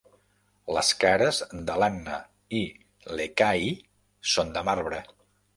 Les cares de l'Anna i l'Ekahi són de marbre.